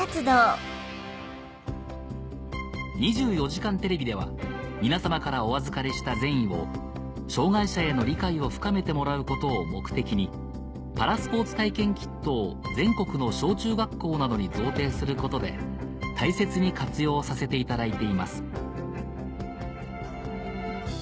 『２４時間テレビ』では皆様からお預かりした善意を障がい者への理解を深めてもらうことを目的にパラスポーツ体験キットを全国の小・中学校などに贈呈することで大切に活用させていただいています